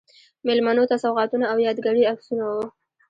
میلمنو ته سوغاتونه او یادګاري عکسونه و.